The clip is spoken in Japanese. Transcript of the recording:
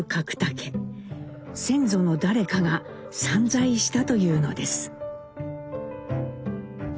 先祖の誰かが散財したというのです。